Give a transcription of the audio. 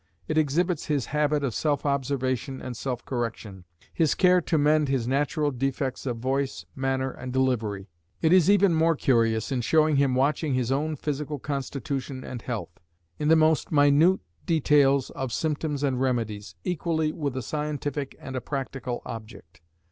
It exhibits his habit of self observation and self correction, his care to mend his natural defects of voice, manner, and delivery; it is even more curious in showing him watching his own physical constitution and health, in the most minute details of symptoms and remedies, equally with a scientific and a practical object.